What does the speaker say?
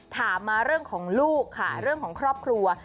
ถามมาเรื่องของลูกค่ะเรื่องของครอบครัว